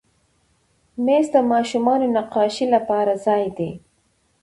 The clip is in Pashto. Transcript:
مېز د ماشومانو نقاشۍ لپاره ځای دی.